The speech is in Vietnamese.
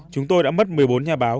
chúng tôi đã mất một mươi bốn nhà báo